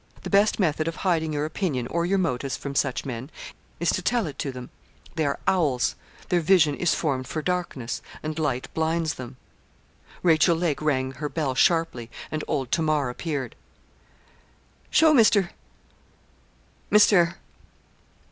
The best method of hiding your opinion or your motives from such men, is to tell it to them. They are owls. Their vision is formed for darkness, and light blinds them. Rachel Lake rang her bell sharply, and old Tamar appeared. 'Show Mr. Mr.